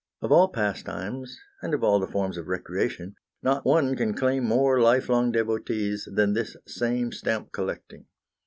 Of all pastimes, and of all the forms of recreation, not one can claim more lifelong devotees than this same stamp collecting.